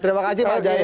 terima kasih pak jaya